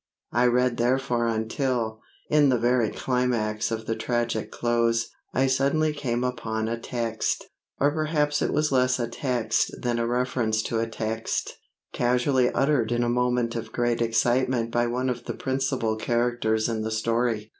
I read therefore until, in the very climax of the tragic close, I suddenly came upon a text. Or perhaps it was less a text than a reference to a text, casually uttered in a moment of great excitement by one of the principal characters in the story.